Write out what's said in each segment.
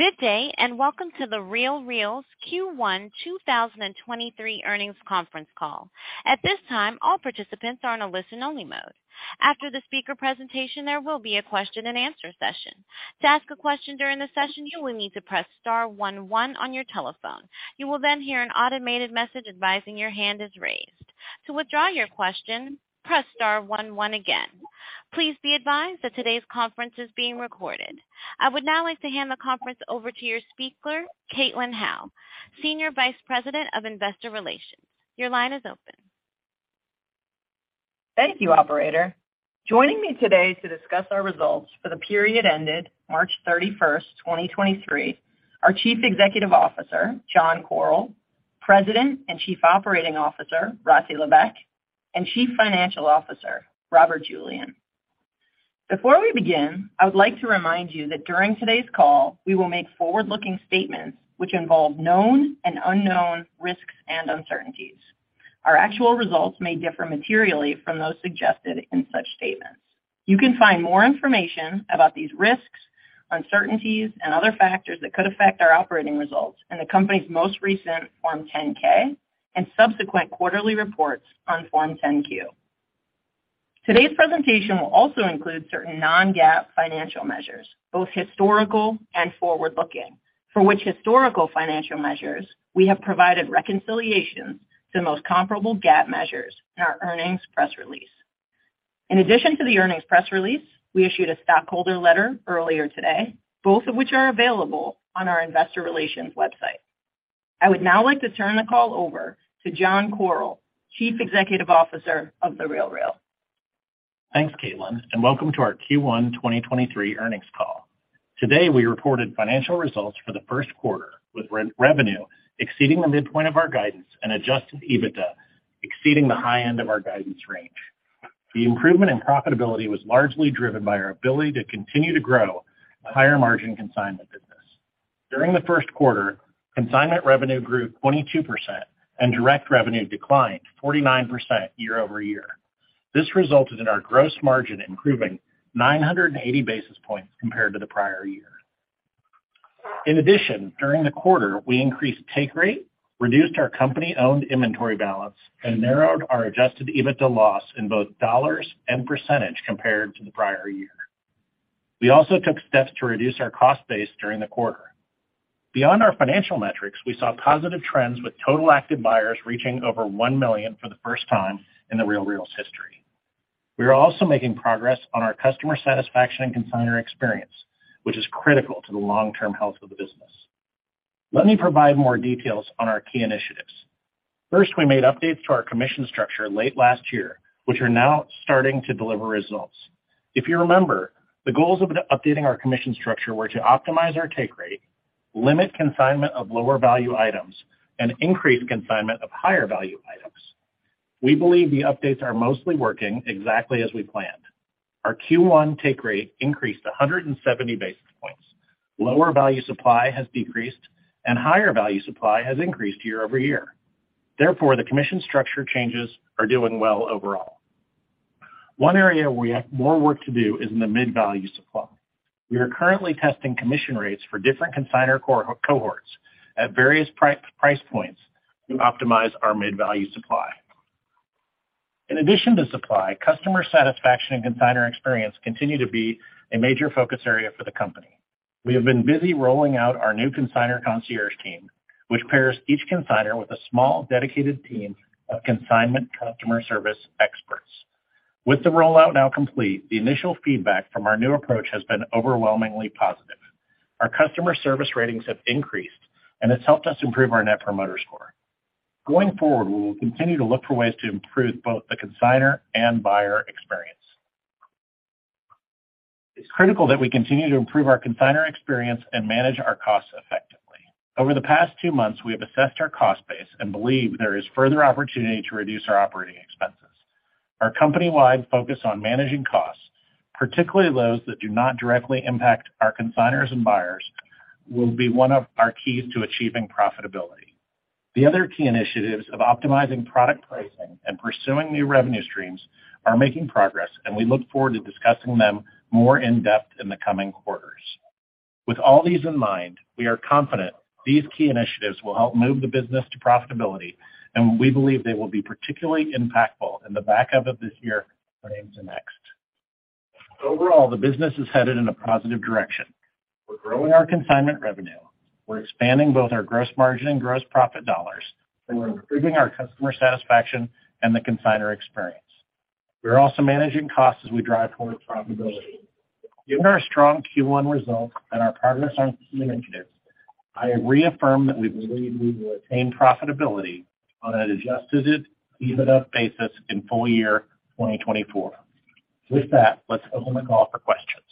Good day, and welcome to the The RealReal Q1 2023 Earnings Conference Call. At this time, all participants are on a listen-only mode. After the Speaker Presentation, there will be a Question-and-Answer Session. To ask a question during the session, you will need to press star 11 on your telephone. You will then hear an automated message advising your hand is raised. To withdraw your question, press star 11 again. Please be advised that today's conference is being recorded. I would now like to hand the conference over to your speaker, Caitlin Howe, Senior Vice President of Investor Relations. Your line is open. Thank you, operator. Joining me today to discuss our results for the period ended March 31st, 2023, are Chief Executive Officer, John Koryl, President and Chief Operating Officer, Rati Sahi Levesque, and Chief Financial Officer, Robert Julian. Before we begin, I would like to remind you that during today's call, we will make forward-looking statements which involve known and unknown risks and uncertainties. Our actual results may differ materially from those suggested in such statements. You can find more information about these risks, uncertainties and other factors that could affect our operating results in the company's most recent Form 10-K and subsequent quarterly reports on Form 10-Q. Today's presentation will also include certain non-GAAP financial measures, both historical and forward-looking, for which historical financial measures we have provided reconciliations to the most comparable GAAP measures in our earnings press release. In addition to the earnings press release, we issued a stockholder letter earlier today, both of which are available on our investor relations website. I would now like to turn the call over to John Koryl, Chief Executive Officer of The RealReal. Thanks, Caitlin, and welcome to our Q1 2023 earnings call. Today, we reported financial results for the first quarter, with revenue exceeding the midpoint of our guidance and Adjusted EBITDA exceeding the high end of our guidance range. The improvement in profitability was largely driven by our ability to continue to grow higher margin consignment business. During the first quarter, consignment revenue grew 22% and direct revenue declined 49% year-over-year. This resulted in our gross margin improving 980 basis points compared to the prior year. In addition, during the quarter, we increased take rate, reduced our company-owned inventory balance, and narrowed our Adjusted EBITDA loss in both dollars and % compared to the prior year. We also took steps to reduce our cost base during the quarter. Beyond our financial metrics, we saw positive trends with total active buyers reaching over 1 million for the first time in The RealReal's history. We are also making progress on our customer satisfaction and consignor experience, which is critical to the long-term health of the business. Let me provide more details on our key initiatives. First, we made updates to our commission structure late last year, which are now starting to deliver results. If you remember, the goals of updating our commission structure were to optimize our take rate, limit consignment of lower value items, and increase consignment of higher value items. We believe the updates are mostly working exactly as we planned. Our Q1 take rate increased 170 basis points. Lower value supply has decreased and higher value supply has increased year-over-year. Therefore, the commission structure changes are doing well overall. One area where we have more work to do is in the mid-value supply. We are currently testing commission rates for different consignor cohorts at various price points to optimize our mid-value supply. In addition to supply, customer satisfaction and consignor experience continue to be a major focus area for the company. We have been busy rolling out our new Consignor Concierge team, which pairs each consignor with a small, dedicated team of consignment customer service experts. With the rollout now complete, the initial feedback from our new approach has been overwhelmingly positive. Our customer service ratings have increased, and it's helped us improve our Net Promoter Score. Going forward, we will continue to look for ways to improve both the consignor and buyer experience. It's critical that we continue to improve our consignor experience and manage our costs effectively. Over the past 2 months, we have assessed our cost base and believe there is further opportunity to reduce our operating expenses. Our company-wide focus on managing costs, particularly those that do not directly impact our consignors and buyers, will be one of our keys to achieving profitability. The other key initiatives of optimizing product pricing and pursuing new revenue streams are making progress, and we look forward to discussing them more in-depth in the coming quarters. With all these in mind, we are confident these key initiatives will help move the business to profitability, and we believe they will be particularly impactful in the back half of this year and into next. Overall, the business is headed in a positive direction. We're growing our consignment revenue. We're expanding both our gross margin and gross profit dollars, and we're improving our customer satisfaction and the consignor experience. We are also managing costs as we drive towards profitability. Given our strong Q1 results and our progress on key initiatives, I reaffirm that we believe we will attain profitability on an Adjusted EBITDA basis in full year 2024. With that, let's open the call for questions.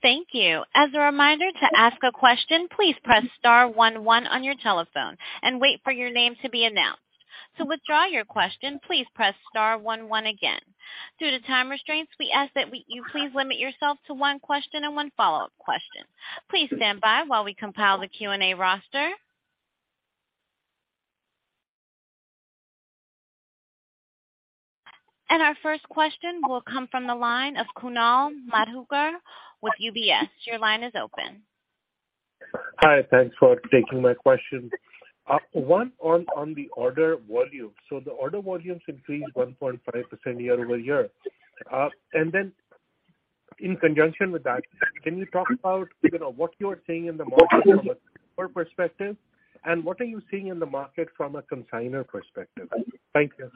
Thank you. As a reminder to ask a question, please press star one one on your telephone and wait for your name to be announced. To withdraw your question, please press star one one again. Due to time restraints, we ask that you please limit yourself to one question and one follow-up question. Please stand by while we compile the Q&A roster Our first question will come from the line of Kunal Madhukar with UBS. Your line is open. Hi. Thanks for taking my question. One on the order volume. The order volume increased 1.5% year-over-year. In conjunction with that, can you talk about, you know, what you're seeing in the market from a customer perspective, and what are you seeing in the market from a consignor perspective? Thank you.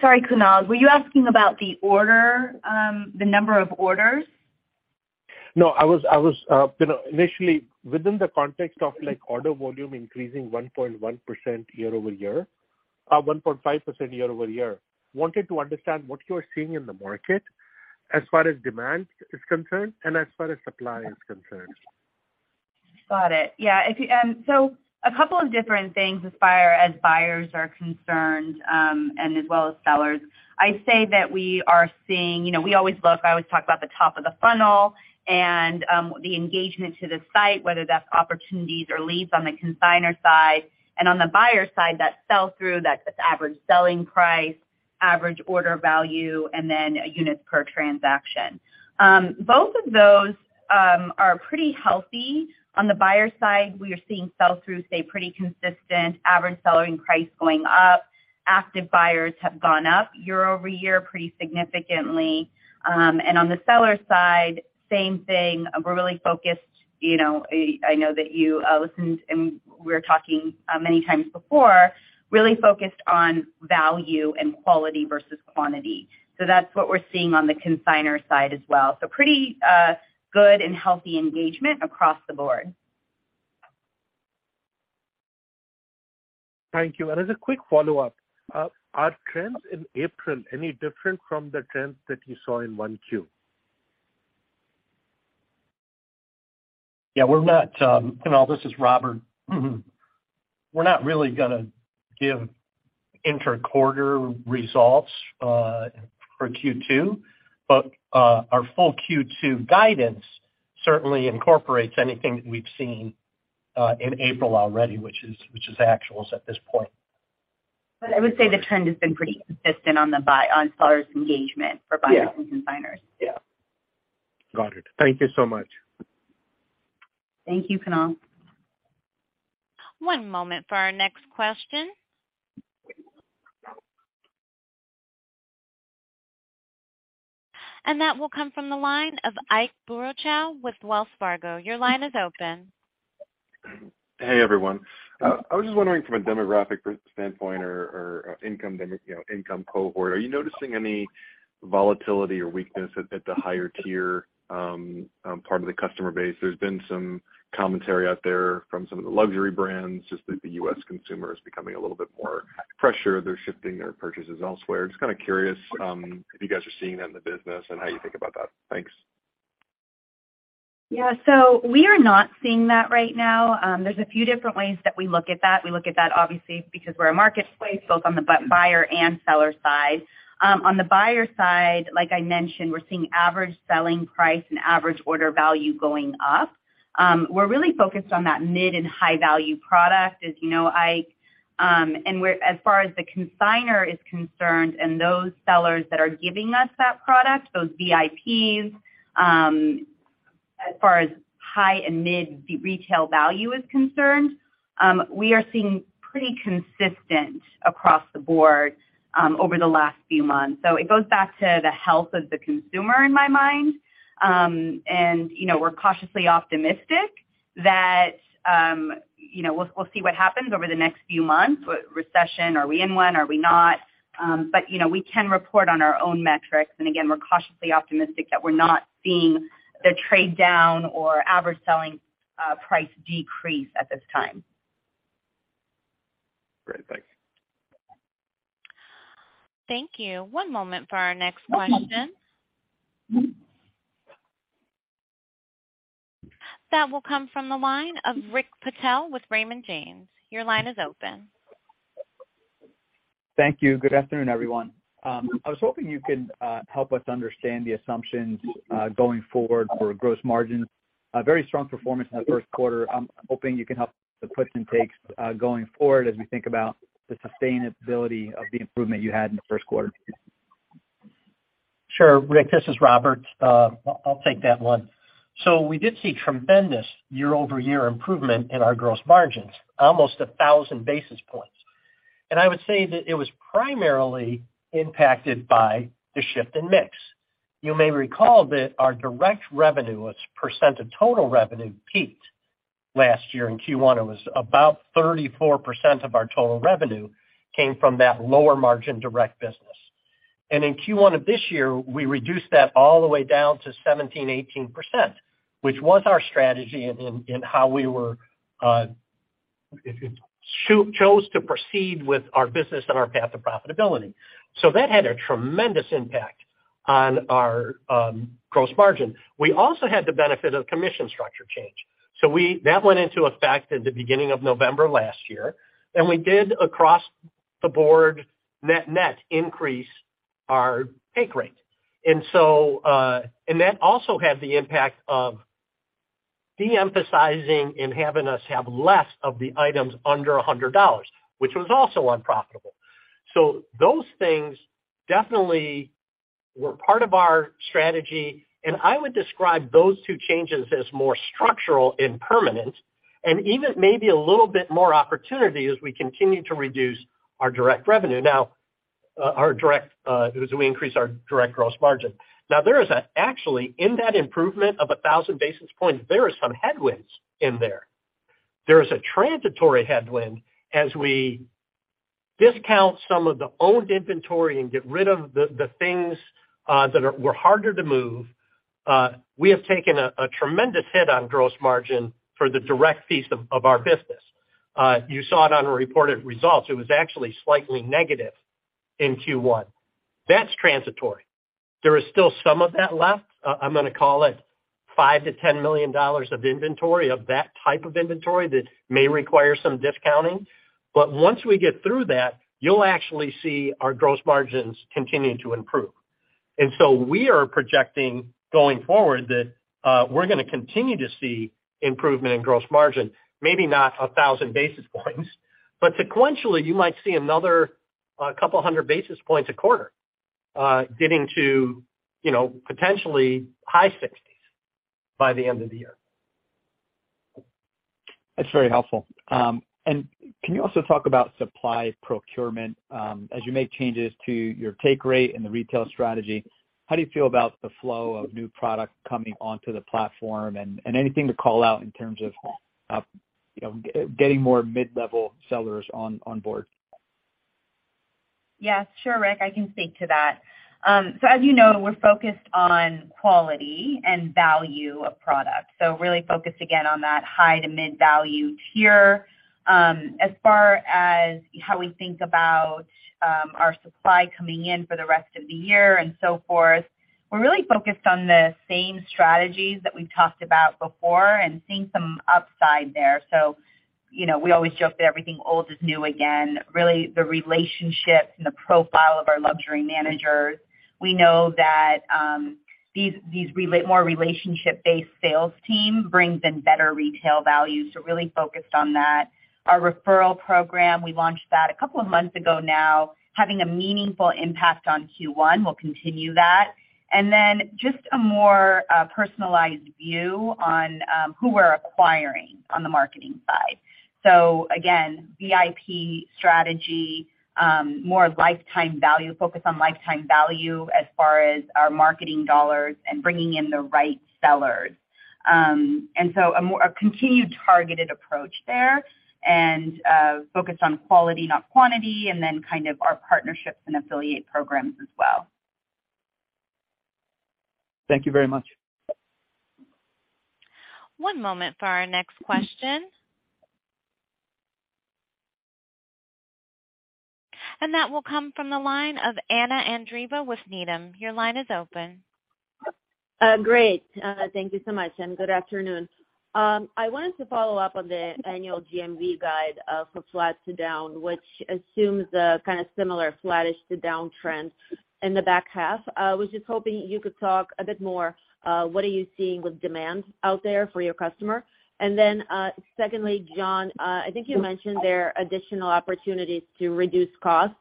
Sorry, Kunal. Were you asking about the order, the number of orders? No, I was, you know, initially within the context of, like, order volume increasing 1.1% year-over-year, 1.5% year-over-year, wanted to understand what you are seeing in the market as far as demand is concerned and as far as supply is concerned. Got it. Yeah, if you, a couple of different things as buyers are concerned, and as well as sellers. I say that we are seeing, you know, we always look, I always talk about the top of the funnel and the engagement to the site, whether that's opportunities or leads on the consigner side. On the buyer side, that sell through, that's its average selling price, average order value, and then units per transaction. Both of those are pretty healthy. On the buyer side, we are seeing sell through stay pretty consistent, average selling price going up. Active buyers have gone up year-over-year pretty significantly. On the seller side, same thing. We're really focused, you know, I know that you listened and we're talking many times before, really focused on value and quality versus quantity. That's what we're seeing on the consignor side as well. Pretty, good and healthy engagement across the board. Thank you. As a quick follow-up, are trends in April any different from the trends that you saw in 1 Q? Kunal, this is Robert. We're not really gonna give inter-quarter results for Q2, but our full Q2 guidance certainly incorporates anything that we've seen in April already, which is actuals at this point. I would say the trend has been pretty consistent on sellers engagement for buyers. Yeah. consignors. Yeah. Got it. Thank you so much. Thank you, Kunal. One moment for our next question. That will come from the line of Ike Boruchow with Wells Fargo. Your line is open. Hey, everyone. I was just wondering from a demographic standpoint or you know, income cohort, are you noticing any volatility or weakness at the higher tier part of the customer base? There's been some commentary out there from some of the luxury brands, just that the US consumer is becoming a little bit more pressure. They're shifting their purchases elsewhere. Just kinda curious, if you guys are seeing that in the business and how you think about that. Thanks. Yeah. We are not seeing that right now. There's a few different ways that we look at that. We look at that obviously because we're a marketplace both on the buyer and seller side. On the buyer side, like I mentioned, we're seeing average selling price and average order value going up. We're really focused on that mid and high value product, as you know, Ike, and as far as the consignor is concerned and those sellers that are giving us that product, those VIPs, as far as high and mid retail value is concerned, we are seeing pretty consistent across the board over the last few months. It goes back to the health of the consumer in my mind. You know, we're cautiously optimistic that, you know, we'll see what happens over the next few months. Recession, are we in one, are we not? You know, we can report on our own metrics, and again, we're cautiously optimistic that we're not seeing the trade down or average selling price decrease at this time. Great. Thanks. Thank you. One moment for our next question. That will come from the line of Rick Patel with Raymond James. Your line is open. Thank you. Good afternoon, everyone. I was hoping you could help us understand the assumptions going forward for gross margin. A very strong performance in the first quarter. I'm hoping you can help with the push and takes going forward as we think about the sustainability of the improvement you had in the first quarter. Sure, Rick. This is Robert. I'll take that one. We did see tremendous year-over-year improvement in our gross margins, almost 1,000 basis points. I would say that it was primarily impacted by the shift in mix. You may recall that our direct revenue as % of total revenue peaked last year in Q1. It was about 34% of our total revenue came from that lower margin direct business. In Q1 of this year, we reduced that all the way down to 17%-18%, which was our strategy in how we chose to proceed with our business and our path to profitability. That had a tremendous impact on our gross margin. We also had the benefit of commission structure change. We... That went into effect at the beginning of November last year. We did across the board, net increase our take rate. That also had the impact of de-emphasizing and having us have less of the items under $100, which was also unprofitable. Those things definitely were part of our strategy, and I would describe those two changes as more structural and permanent, and even maybe a little bit more opportunity as we continue to reduce our direct revenue. Now, our direct, as we increase our direct gross margin. Now there is actually, in that improvement of 1,000 basis points, there is some headwinds in there. There is a transitory headwind as we discount some of the old inventory and get rid of the things that are, were harder to move. We have taken a tremendous hit on gross margin for the direct piece of our business. You saw it on our reported results. It was actually slightly negative in Q1. That's transitory. There is still some of that left. I'm gonna call it $5 million-$10 million of inventory, of that type of inventory that may require some discounting. Once we get through that, you'll actually see our gross margins continuing to improve. We are projecting going forward that we're gonna continue to see improvement in gross margin, maybe not 1,000 basis points, but sequentially, you might see another couple hundred basis points a quarter, getting to, you know, potentially high 60s by the end of the year. That's very helpful. And can you also talk about supply procurement, as you make changes to your take rate and the retail strategy, how do you feel about the flow of new product coming onto the platform and anything to call out in terms of, you know, getting more mid-level sellers on board? Yes. Sure, Rick, I can speak to that. As you know, we're focused on quality and value of product. Really focused again on that high to mid-value tier. As far as how we think about our supply coming in for the rest of the year and so forth, we're really focused on the same strategies that we've talked about before and seeing some upside there. You know, we always joke that everything old is new again. Really, the relationships and the profile of our luxury managers, we know that these relationship-based sales team brings in better retail value, so really focused on that. Our referral program, we launched that a couple of months ago now, having a meaningful impact on Q1. We'll continue that. Just a more personalized view on who we're acquiring on the marketing side. VIP strategy, more lifetime value, focus on lifetime value as far as our marketing dollars and bringing in the right sellers. A more, a continued targeted approach there and focus on quality, not quantity, and then kind of our partnerships and affiliate programs as well. Thank you very much. One moment for our next question. That will come from the line of Anna Andreeva with Needham. Your line is open. Great. Thank you so much, and good afternoon. I wanted to follow up on the annual GMV guide for flat to down, which assumes a kinda similar flattish to downtrend in the back half. I was just hoping you could talk a bit more, what are you seeing with demand out there for your customer? Secondly, John, I think you mentioned there are additional opportunities to reduce costs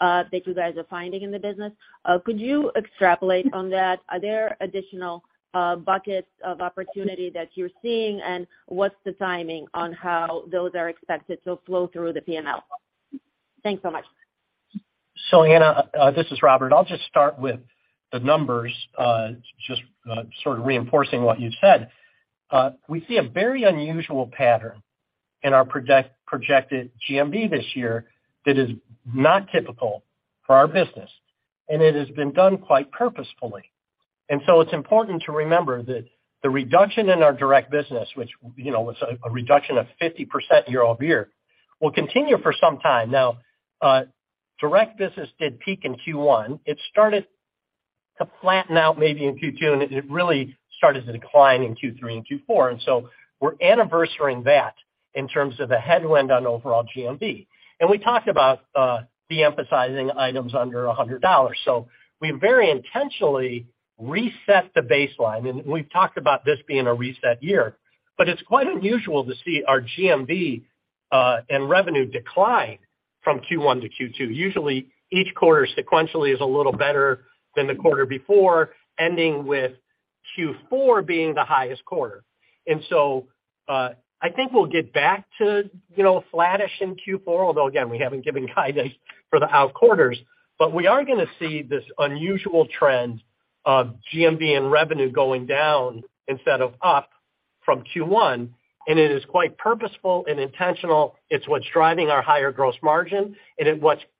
that you guys are finding in the business. Could you extrapolate on that? Are there additional buckets of opportunity that you're seeing, and what's the timing on how those are expected to flow through the P&L? Thanks so much. Anna, this is Robert. I'll just start with the numbers, just sort of reinforcing what you've said. We see a very unusual pattern in our projected GMV this year that is not typical for our business, and it has been done quite purposefully. It's important to remember that the reduction in our direct business, which, you know, was a reduction of 50% year-over-year, will continue for some time. Now, direct business did peak in Q1. It started to flatten out maybe in Q2, and it really started to decline in Q3 and Q4. We're anniversarying that in terms of the headwind on overall GMV. We talked about de-emphasizing items under $100. We very intentionally reset the baseline, and we've talked about this being a reset year. It's quite unusual to see our GMV and revenue decline from Q1 to Q2. Usually, each quarter sequentially is a little better than the quarter before, ending with Q4 being the highest quarter. I think we'll get back to, you know, flattish in Q4, although again, we haven't given guidance for the out quarters. We are gonna see this unusual trend of GMV and revenue going down instead of up from Q1, and it is quite purposeful and intentional. It's what's driving our higher gross margin, and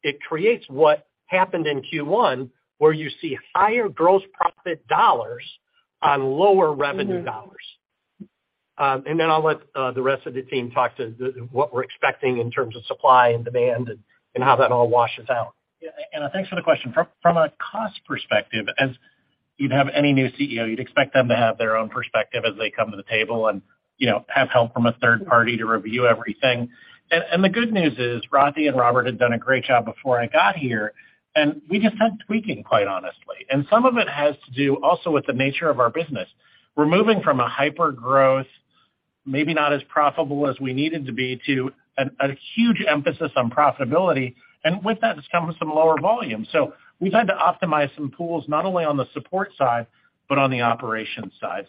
it creates what happened in Q1, where you see higher gross profit dollars on lower revenue dollars. I'll let the rest of the team talk to the what we're expecting in terms of supply and demand and how that all washes out. Yeah. Anna, thanks for the question. From a cost perspective, as you'd have any new CEO, you'd expect them to have their own perspective as they come to the table and, you know, have help from a third party to review everything. The good news is, Rati and Robert had done a great job before I got here, and we just had tweaking, quite honestly. Some of it has to do also with the nature of our business. We're moving from a hyper-growth-. Maybe not as profitable as we needed to be to a huge emphasis on profitability. With that has come with some lower volume. We've had to optimize some pools, not only on the support side, but on the operations side.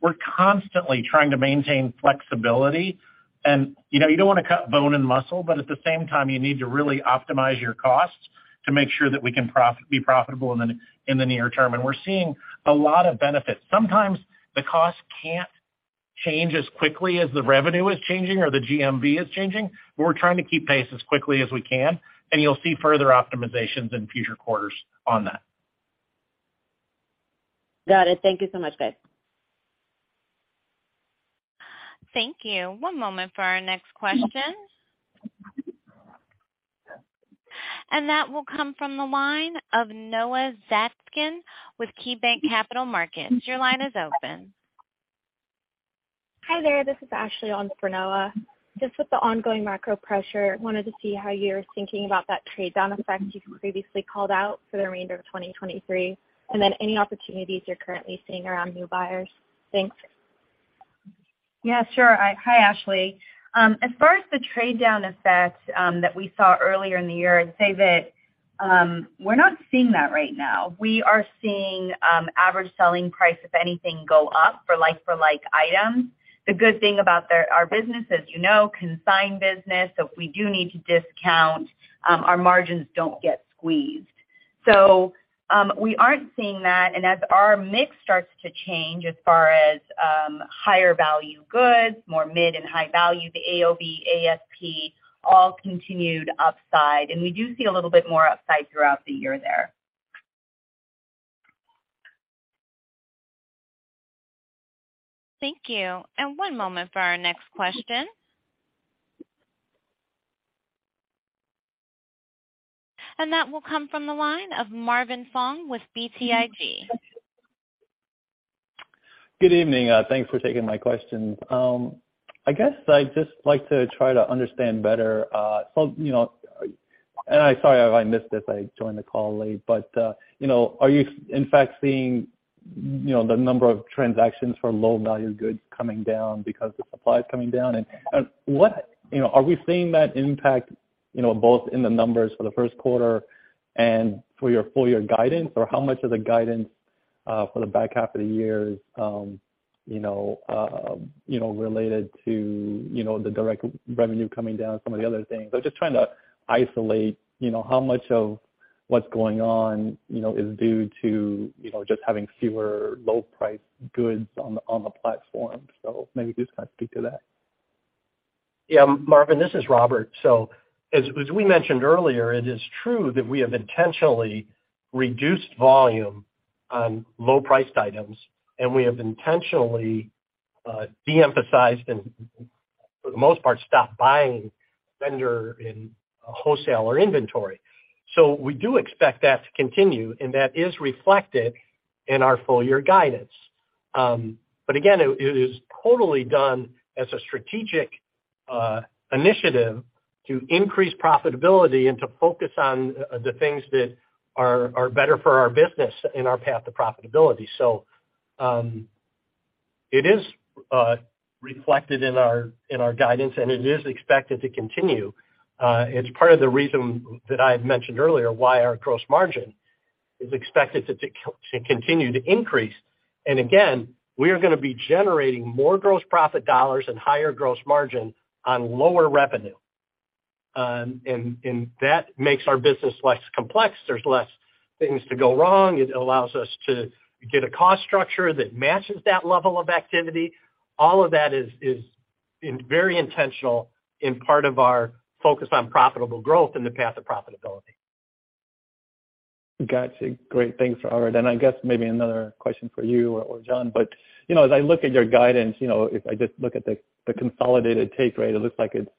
We're constantly trying to maintain flexibility. You know, you don't wanna cut bone and muscle, but at the same time, you need to really optimize your costs to make sure that we can be profitable in the, in the near term. We're seeing a lot of benefits. Sometimes the cost can't change as quickly as the revenue is changing or the GMV is changing, but we're trying to keep pace as quickly as we can, and you'll see further optimizations in future quarters on that. Got it. Thank you so much, guys. Thank you. One moment for our next question. That will come from the line of Noah Zatzkin with KeyBanc Capital Markets. Your line is open. Hi there. This is Ashley on for Noah. Just with the ongoing macro pressure, wanted to see how you're thinking about that trade-down effect you previously called out for the remainder of 2023, any opportunities you're currently seeing around new buyers. Thanks. Sure. Hi, Ashley. As far as the trade-down effect, that we saw earlier in the year, I'd say that we're not seeing that right now. We are seeing average selling price, if anything, go up for like-for-like items. The good thing about our business, as you know, consigned business, so if we do need to discount, our margins don't get squeezed. We aren't seeing that, as our mix starts to change as far as higher value goods, more mid and high value, the AOV, ASP all continued upside. We do see a little bit more upside throughout the year there. Thank you. One moment for our next question. That will come from the line of Marvin Fong with BTIG. Good evening. Thanks for taking my questions. I guess I'd just like to try to understand better, so, you know, and I sorry if I missed this, I joined the call late. You know, are you in fact seeing, you know, the number of transactions for low value goods coming down because the supply is coming down? What? You know, are we seeing that impact, you know, both in the numbers for the first quarter and for your full year guidance? How much of the guidance for the back half of the year is, you know, related to, you know, the direct revenue coming down, some of the other things? Just trying to isolate, you know, how much of what's going on, you know, is due to, you know, just having fewer low price goods on the, on the platform. Maybe just kinda speak to that. Marvin, this is Robert. As we mentioned earlier, it is true that we have intentionally reduced volume on low priced items, and we have intentionally de-emphasized and for the most part, stopped buying vendor and wholesaler inventory. We do expect that to continue, and that is reflected in our full year guidance. But again, it is totally done as a strategic initiative to increase profitability and to focus on the things that are better for our business and our path to profitability. It is reflected in our guidance, and it is expected to continue. It's part of the reason that I had mentioned earlier why our gross margin is expected to continue to increase. Again, we are gonna be generating more gross profit dollars and higher gross margin on lower revenue. That makes our business less complex. There's less things to go wrong. It allows us to get a cost structure that matches that level of activity. All of that is very intentional in part of our focus on profitable growth and the path of profitability. Gotcha. Great. Thanks, Robert. I guess maybe another question for you or John. You know, as I look at your guidance, you know, if I just look at the consolidated take rate, it looks like it's,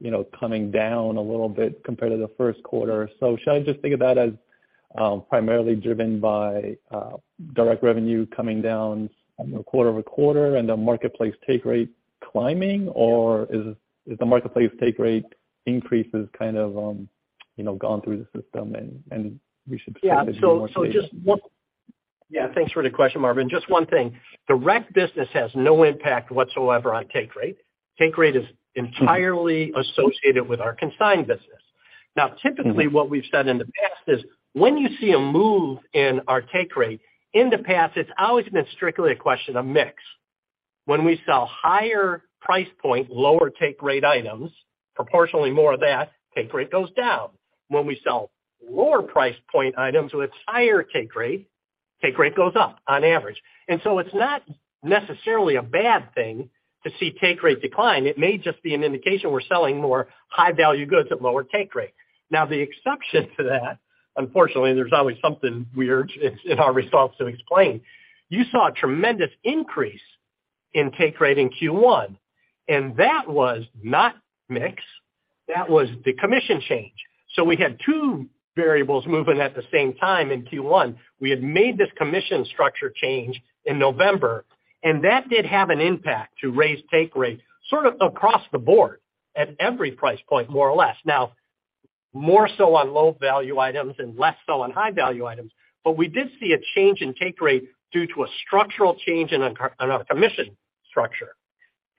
you know, coming down a little bit compared to the first quarter. Should I just think of that as primarily driven by direct revenue coming down quarter-over-quarter and the marketplace take rate climbing? Is the marketplace take rate increases kind of, you know, gone through the system and we should? Yeah. -See more. just one... Yeah. Yeah, thanks for the question, Marvin. Just one thing. Direct business has no impact whatsoever on take rate. Take rate is entirely associated with our consigned business. Typically, what we've said in the past is, when you see a move in our take rate, in the past, it's always been strictly a question of mix. When we sell higher price point, lower take rate items, proportionally more of that, take rate goes down. When we sell lower price point items with higher take rate, take rate goes up on average. It's not necessarily a bad thing to see take rate decline. It may just be an indication we're selling more high value goods at lower take rate. The exception to that, unfortunately, there's always something weird in our results to explain. You saw a tremendous increase in take rate in Q1. That was not mix. That was the commission change. We had 2 variables moving at the same time in Q1. We had made this commission structure change in November, and that did have an impact to raise take rate sort of across the board at every price point, more or less. More so on low value items and less so on high value items. We did see a change in take rate due to a structural change on our commission structure.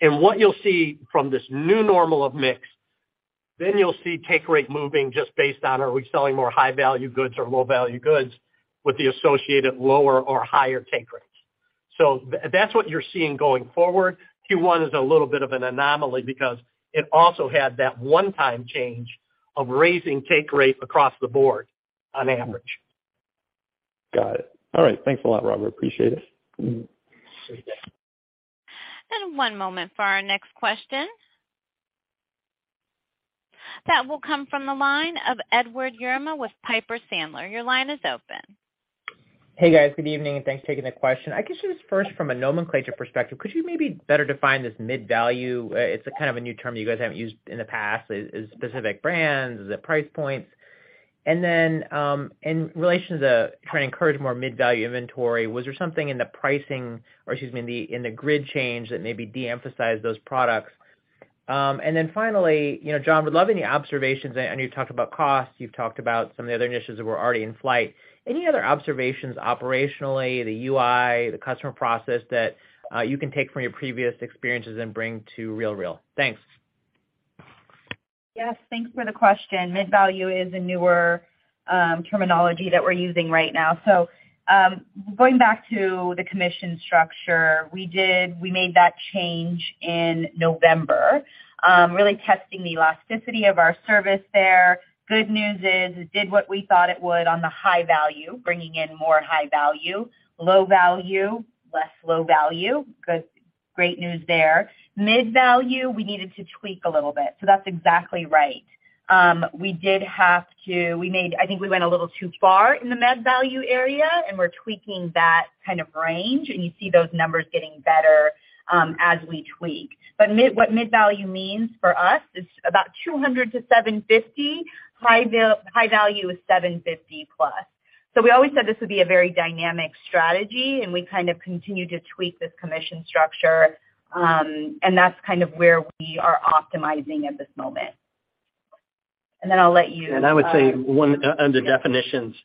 What you'll see from this new normal of mix, then you'll see take rate moving just based on are we selling more high value goods or low value goods with the associated lower or higher take rates. That's what you're seeing going forward. Q1 is a little bit of an anomaly because it also had that onetime change of raising take rate across the board on average. Got it. All right. Thanks a lot, Robert. Appreciate it. Mm-hmm. One moment for our next question. That will come from the line of Edward Yruma with Piper Sandler. Your line is open. Hey, guys. Good evening, and thanks for taking the question. I guess just first from a nomenclature perspective, could you maybe better define this mid-value? It's a kind of a new term you guys haven't used in the past. Is it specific brands? Is it price points? Then, in relation to trying to encourage more mid-value inventory, was there something in the pricing, or excuse me, in the grid change that maybe de-emphasized those products? Finally, you know, John, would love any observations, I know you've talked about costs, you've talked about some of the other initiatives that were already in flight. Any other observations operationally, the UI, the customer process that you can take from your previous experiences and bring to The RealReal? Thanks. Yes. Thanks for the question. Mid-value is a newer terminology that we're using right now. Going back to the commission structure, we made that change in November, really testing the elasticity of our service there. Good news is, it did what we thought it would on the high value, bringing in more high value, low value, less low value. Good, great news there. Mid-value, we needed to tweak a little bit. That's exactly right. We went a little too far in the mid-value area, and we're tweaking that kind of range, and you see those numbers getting better as we tweak. What mid-value means for us is about $200-$750. High value is $750+. We always said this would be a very dynamic strategy, and we kind of continue to tweak this commission structure, and that's kind of where we are optimizing at this moment. I'll let you. I would say... On the definitions,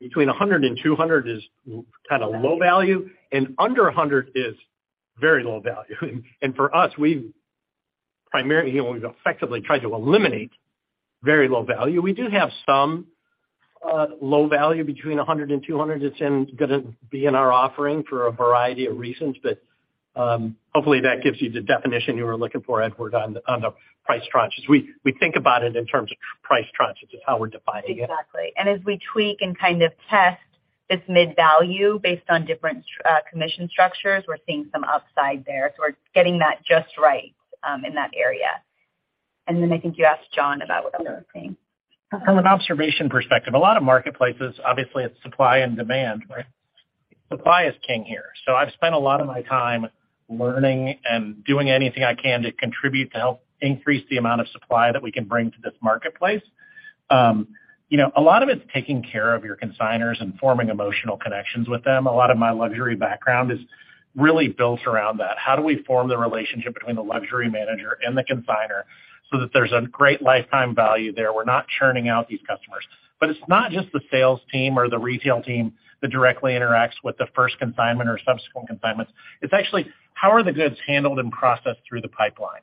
between $100 and $200 is kind of low value, and under $100 is very low value. For us, we've primarily, you know, we've effectively tried to eliminate very low value. We do have some low value between $100 and $200 that's gonna be in our offering for a variety of reasons. Hopefully, that gives you the definition you were looking for, Edward, on the, on the price tranches. We think about it in terms of price tranches is how we're defining it. Exactly. As we tweak and kind of test this mid-value based on different commission structures, we're seeing some upside there. We're getting that just right in that area. I think you asked John about what they were saying. From an observation perspective, a lot of marketplaces, obviously, it's supply and demand, right? Supply is king here. I've spent a lot of my time learning and doing anything I can to contribute to help increase the amount of supply that we can bring to this marketplace. You know, a lot of it's taking care of your consignors and forming emotional connections with them. A lot of my luxury background is really built around that. How do we form the relationship between the luxury manager and the consignor so that there's a great lifetime value there? We're not churning out these customers. It's not just the sales team or the retail team that directly interacts with the first consignment or subsequent consignments. It's actually how are the goods handled and processed through the pipeline.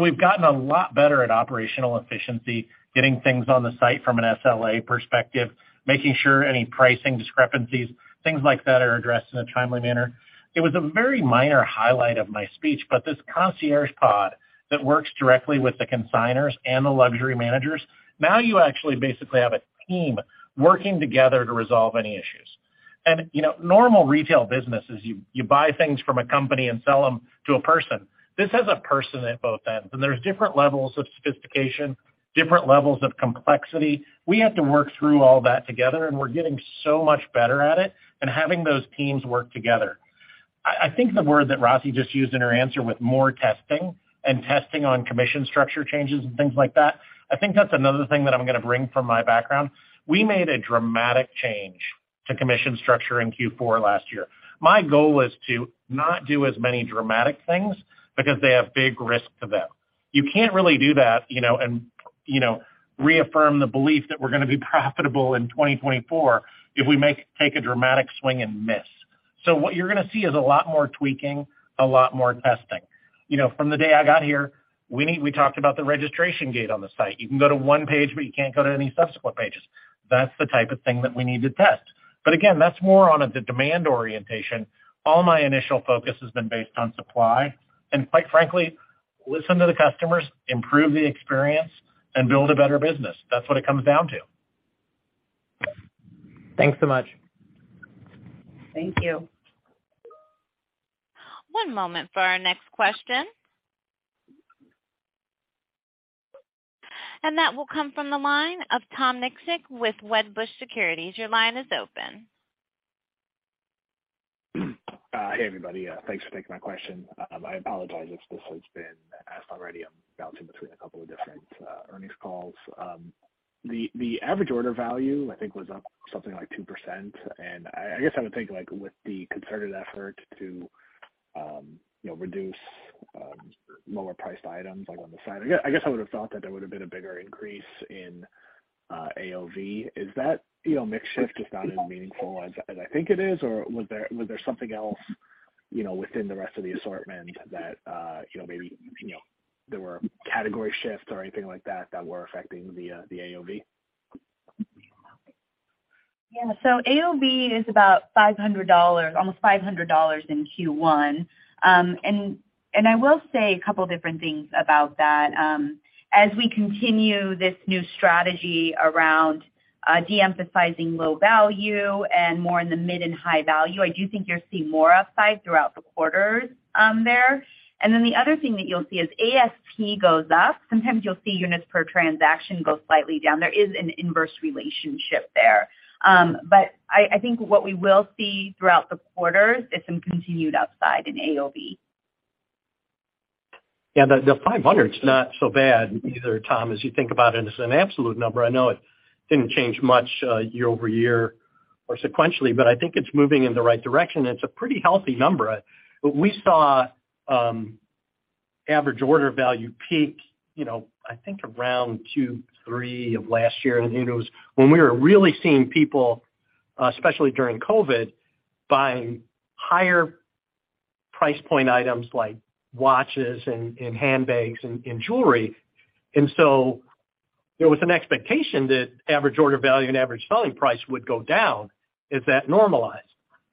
We've gotten a lot better at operational efficiency, getting things on the site from an SLA perspective, making sure any pricing discrepancies, things like that are addressed in a timely manner. It was a very minor highlight of my speech, but this Concierge pod that works directly with the consignors and the luxury managers, now you actually basically have a team working together to resolve any issues. You know, normal retail business is you buy things from a company and sell them to a person. This has a person at both ends, and there's different levels of sophistication, different levels of complexity. We have to work through all that together, and we're getting so much better at it and having those teams work together. I think the word that Rati just used in her answer with more testing and testing on commission structure changes and things like that, I think that's another thing that I'm gonna bring from my background. We made a dramatic change to commission structure in Q4 last year. My goal is to not do as many dramatic things because they have big risk to them. You can't really do that, you know, and you know, reaffirm the belief that we're gonna be profitable in 2024 if we take a dramatic swing and miss. What you're gonna see is a lot more tweaking, a lot more testing. You know, from the day I got here, we talked about the registration gate on the site. You can go to one page, but you can't go to any subsequent pages. That's the type of thing that we need to test. Again, that's more on a the demand orientation. All my initial focus has been based on supply, and quite frankly, listen to the customers, improve the experience, and build a better business. That's what it comes down to. Thanks so much. Thank you. One moment for our next question. That will come from the line of Tom Nikic with Wedbush Securities. Your line is open. anks for taking my question. I apologize if this has been asked already. I'm bouncing between a couple of different earnings calls. The average order value, I think, was up something like 2%. I guess I would think, like, with the concerted effort to reduce lower priced items like on the side, I guess I would have thought that there would have been a bigger increase in AOV. Is that, you know, mix shift is not as meaningful as I think it is, or was there something else, you know, within the rest of the assortment that, you know, maybe there were category shifts or anything like that were affecting the AOV AOV is about $500, almost $500 in Q1. I will say a couple different things about that. As we continue this new strategy around de-emphasizing low value and more in the mid and high value, I do think you're seeing more upside throughout the quarters there. The other thing that you'll see is ASP goes up. Sometimes you'll see units per transaction go slightly down. There is an inverse relationship there. I think what we will see throughout the quarters is some continued upside in AOV. Yeah, the $500's not so bad either, Tom, as you think about it as an absolute number. I know it didn't change much year-over-year or sequentially, but I think it's moving in the right direction. It's a pretty healthy number. We saw average order value peak, you know, I think around Q3 of last year. It was when we were really seeing people, especially during COVID, buying higher price point items like watches and handbags and jewelry. There was an expectation that average order value and average selling price would go down as that normalized.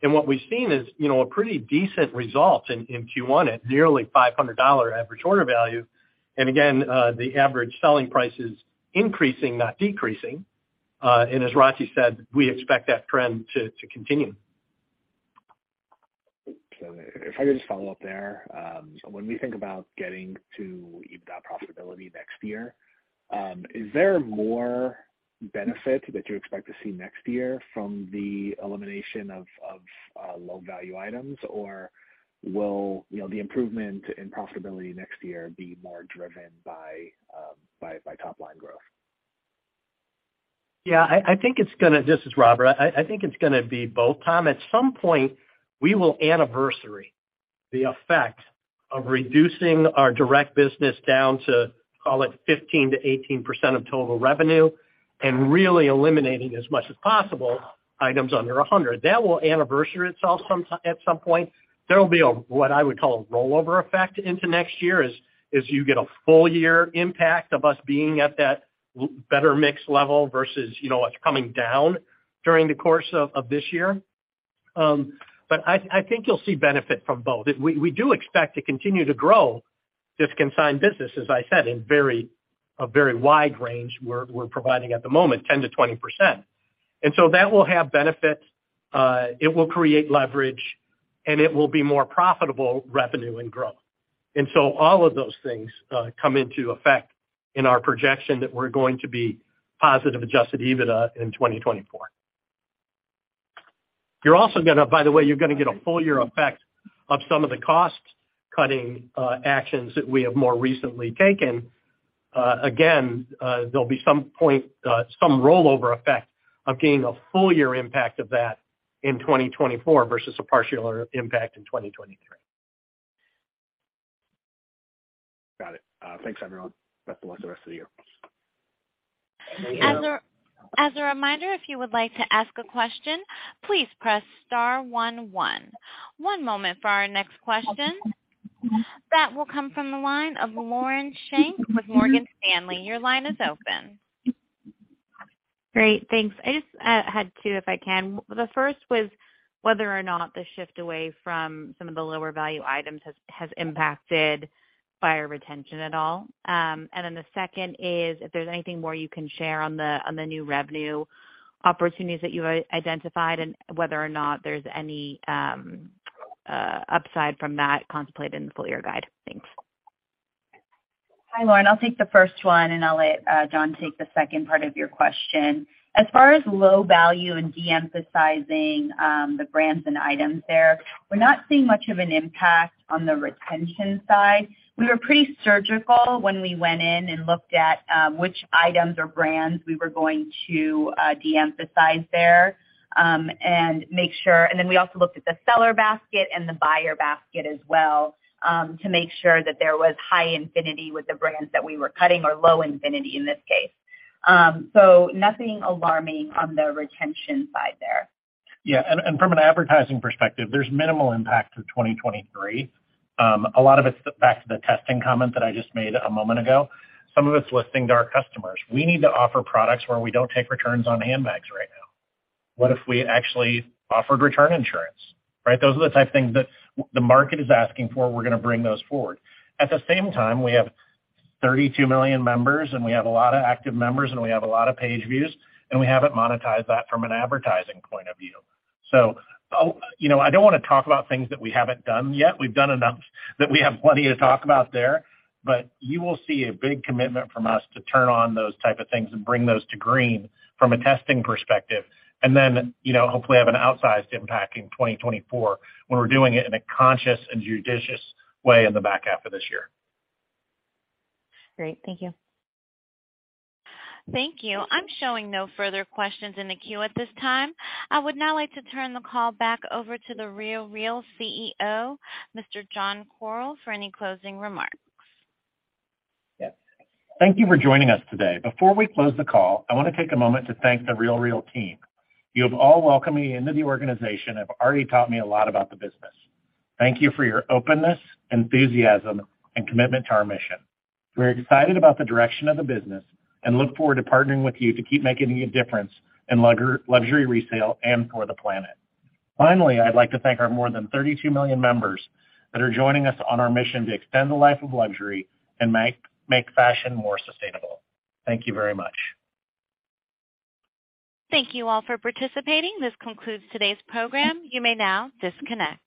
What we've seen is, you know, a pretty decent result in Q1 at nearly $500 average order value. Again, the average selling price is increasing, not decreasing. As Rati said, we expect that trend to continue. If I could just follow up there, when we think about getting to EBITDA profitability next year, is there more benefit that you expect to see next year from the elimination of low value items, or will, you know, the improvement in profitability next year be more driven by top line growth? This is Robert. I think it's gonna be both, Tom. At some point, we will anniversary the effect of reducing our direct business down to, call it, 15%-18% of total revenue, and really eliminating as much as possible items under $100. That will anniversary itself at some point. There will be a, what I would call a rollover effect into next year as you get a full year impact of us being at that better mix level versus, you know, what's coming down during the course of this year. I think you'll see benefit from both. We do expect to continue to grow this consigned business, as I said, in a very wide range we're providing at the moment, 10%-20%. That will have benefits, it will create leverage, and it will be more profitable revenue and growth. All of those things, come into effect in our projection that we're going to be positive Adjusted EBITDA in 2024. By the way, you're gonna get a full year effect of some of the cost-cutting, actions that we have more recently taken. Again, there'll be some point, some rollover effect of getting a full year impact of that in 2024 versus a partial impact in 2023. Got it. Thanks everyone. Best of luck the rest of the year. As a reminder, if you would like to ask a question, please press star one one. One moment for our next question. That will come from the line of Lauren Schenk with Morgan Stanley. Your line is open. Great. Thanks. I just had two, if I can. The first was whether or not the shift away from some of the lower value items has impacted buyer retention at all. The second is if there's anything more you can share on the new revenue opportunities that you identified and whether or not there's any upside from that contemplated in the full year guide. Thanks. Hi, Lauren. I'll take the first one, and I'll let John take the second part of your question. As far as low value and de-emphasizing the brands and items there, we're not seeing much of an impact on the retention side. We were pretty surgical when we went in and looked at which items or brands we were going to de-emphasize there and make sure. We also looked at the seller basket and the buyer basket as well to make sure that there was high affinity with the brands that we were cutting or low affinity in this case. Nothing alarming on the retention side there. Yeah. From an advertising perspective, there's minimal impact to 2023. A lot of it's back to the testing comment that I just made a moment ago. Some of it's listening to our customers. We need to offer products where we don't take returns on handbags right now. What if we actually offered return insurance, right? Those are the type of things that the market is asking for. We're gonna bring those forward. At the same time, we have 32 million members, and we have a lot of active members, and we have a lot of page views, and we haven't monetized that from an advertising point of view. You know, I don't wanna talk about things that we haven't done yet. We've done enough that we have plenty to talk about there. You will see a big commitment from us to turn on those type of things and bring those to green from a testing perspective. You know, hopefully have an outsized impact in 2024 when we're doing it in a conscious and judicious way in the back half of this year. Great. Thank you. Thank you. I'm showing no further questions in the queue at this time. I would now like to turn the call back over to The RealReal CEO, Mr. John Koryl, for any closing remarks. Yes. Thank you for joining us today. Before we close the call, I want to take a moment to thank The RealReal team. You have all welcomed me into the organization and have already taught me a lot about the business. Thank you for your openness, enthusiasm, and commitment to our mission. We're excited about the direction of the business and look forward to partnering with you to keep making a difference in luxury resale and for the planet. I'd like to thank our more than 32 million members that are joining us on our mission to extend the life of luxury and make fashion more sustainable. Thank you very much. Thank you all for participating. This concludes today's program. You may now disconnect.